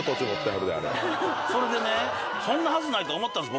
それでねそんなはずないと思ったんです